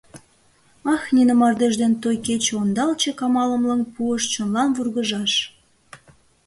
Ах, нине мардеж ден той кече ондалчык Амалым лыҥ пуышт чонлан вургыжаш.